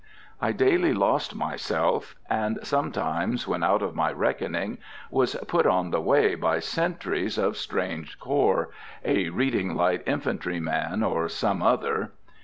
I daily lost myself, and sometimes when out of my reckoning was put on the way by sentries of strange corps, a Reading Light Infantry man, or some other.